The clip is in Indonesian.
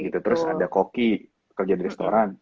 terus ada koki kerja di restoran